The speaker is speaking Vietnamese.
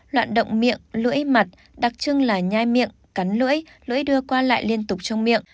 loạn động miệng lưỡi mặt đặc trưng là nhai miệng cắn lưỡi lưỡi đưa qua lại liên tục trong miệng